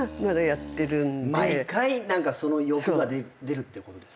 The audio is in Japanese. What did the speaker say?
毎回その欲が出るってことですか？